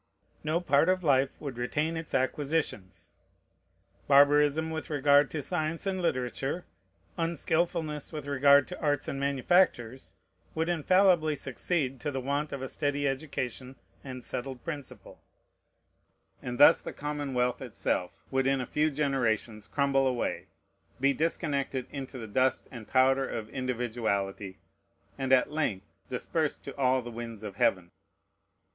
No part of life would retain its acquisitions. Barbarism with regard to science and literature, unskilfulness with regard to arts and manufactures, would infallibly succeed to the want of a steady education and settled principle; and thus the commonwealth itself would in a few generations crumble away, be disconnected into the dust and powder of individuality, and at length dispersed to all the winds of heaven.